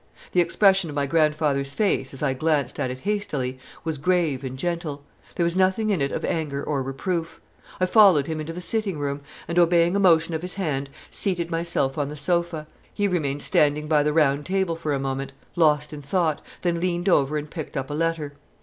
The expression of my grandfather's face, as I glanced at it hastily, was grave and gentle; there was nothing in it of anger or reproof. I followed him into the sitting room, and, obeying a motion of his hand, seated myself on the sofa. He remained standing by the round table for a moment, lost in thought, then leaned over and picked up a letter.